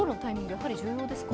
やはり重要ですか？